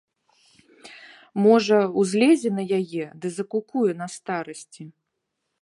Можа, узлезе на яе ды закукуе на старасці.